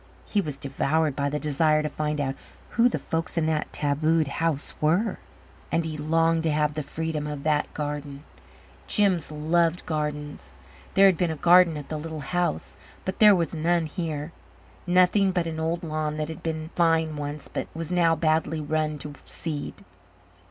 He was devoured by the desire to find out who the folks in that tabooed house were. And he longed to have the freedom of that garden. Jims loved gardens. There had been a garden at the little house but there was none here nothing but an old lawn that had been fine once but was now badly run to seed.